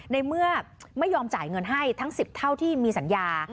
ในเมื่อไม่ยอมจ่ายเงินให้ทั้ง๑๐เท่าที่มีสัญญา